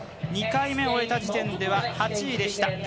２回目終えた時点では８位でした。